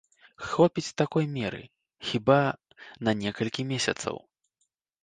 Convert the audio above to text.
Хопіць такой меры, хіба, на некалькі месяцаў.